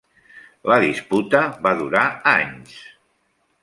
La disputa va durar anys.